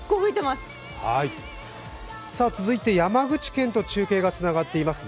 続いて山口県と中継がつながってますね。